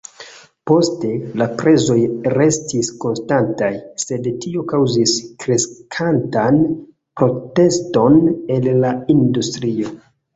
Poste la prezoj restis konstantaj, sed tio kaŭzis kreskantan proteston el la industrio.